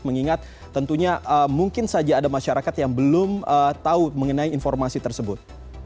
mengingat tentunya mungkin saja ada masyarakat yang belum tahu mengenai informasi tersebut